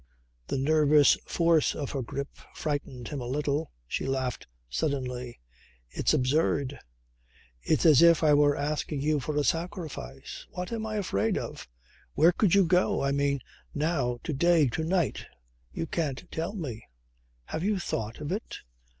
The nervous force of her grip frightened him a little. She laughed suddenly. "It's absurd. It's as if I were asking you for a sacrifice. What am I afraid of? Where could you go? I mean now, to day, to night? You can't tell me. Have you thought of it?